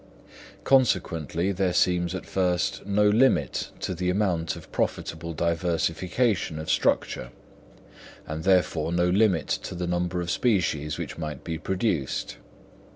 Consequently there seems at first no limit to the amount of profitable diversification of structure, and therefore no limit to the number of species which might be produced.